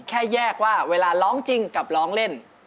แค่แยกว่าเวลาร้องจริงกับร้องเล่น